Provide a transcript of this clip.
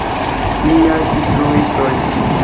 Niaj instruistoj.